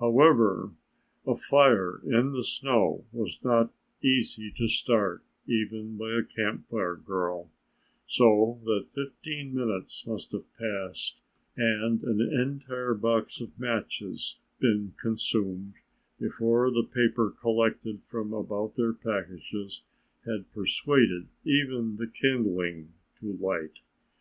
However, a fire in the snow was not easy to start even by a Camp Fire girl, so that fifteen minutes must have passed and an entire box of matches been consumed before the paper collected from about their packages had persuaded even the kindling to light.